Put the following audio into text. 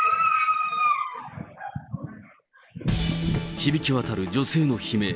響き渡る女性の悲鳴。